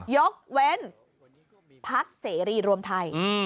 ยกเว้นพักเสรีรวมไทย